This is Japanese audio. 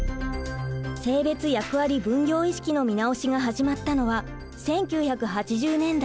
性別役割分業意識の見直しが始まったのは１９８０年代。